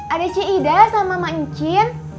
ada cik ida sama ma incin